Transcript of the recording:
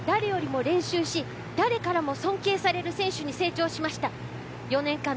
山本有真は誰よりも練習し誰からも尊敬される選手に成長しました。